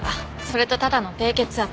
それとただの低血圧。